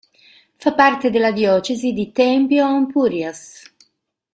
Fa parte della diocesi di Tempio-Ampurias.